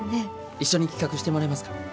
一緒に企画してもらえますか？